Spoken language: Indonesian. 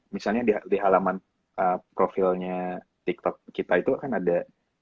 misalnya di halaman profilnya tiktok kita itu kan ada